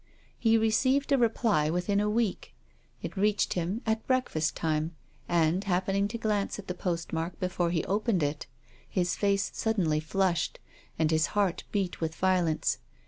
He received a reply within a week. It reached him at breakfast time, and, happening to glance at the postmark before he opened it, his face suddenly flushed and his heart beat with violence.